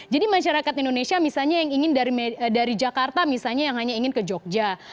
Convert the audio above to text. jadi masyarakat indonesia misalnya yang ingin dari jakarta misalnya yang hanya ingin ke jogja